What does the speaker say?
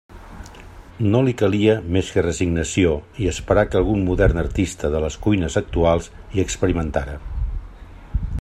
No li calia més que resignació i esperar que algun modern artista de les cuines actuals hi experimentara.